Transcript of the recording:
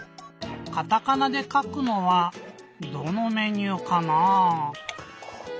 カタカナでかくのはどのメニューかな？